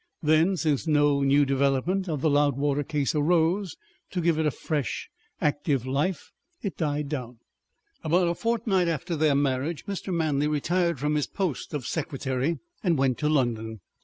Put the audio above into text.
Then, since no new development of the Loudwater case arose to give it a fresh, active life, it died down. About a fortnight after their marriage Mr. Manley retired from his post of secretary and went to London.